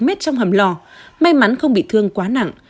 mét trong hầm lò may mắn không bị thương quá nặng